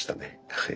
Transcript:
はい。